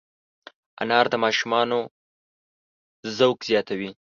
انار د ماشومانو ذوق زیاتوي.